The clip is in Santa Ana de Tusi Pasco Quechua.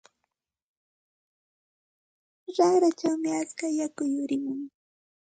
Raqrachawmi atska yaku yurimun.